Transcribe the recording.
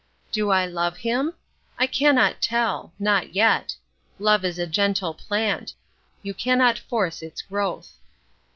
Do I love him? I cannot tell. Not yet. Love is a gentle plant. You cannot force its growth.